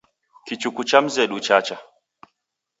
Kichuku cha mzedu chacha